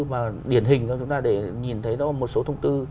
và điển hình cho chúng ta để nhìn thấy đó một số thông tư